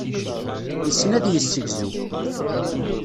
Yessen ad yessegzu.